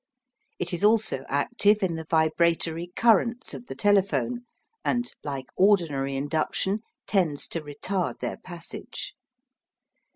It is also active in the vibratory currents of the telephone, and, like ordinary induction, tends to retard their passage.